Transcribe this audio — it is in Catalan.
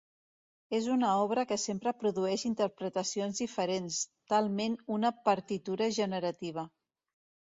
És una obra que sempre produeix interpretacions diferents; talment una partitura generativa.